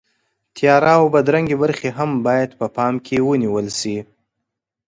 تیاره او بدرنګه برخې هم باید په پام کې ونیول شي.